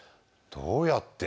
どうやって？